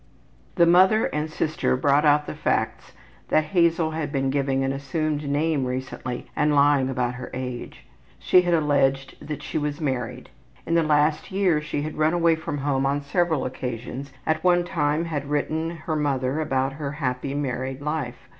The mother and sister brought out the facts that Hazel had been giving an assumed name recently and lying about her age. She had alleged that she was married. In the last year she had run away from home on several occasions. At one time had written to her mother about her happy married life.